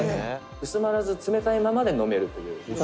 「薄まらず冷たいままで飲めるという」